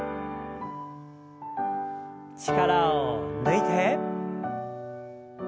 力を抜いて。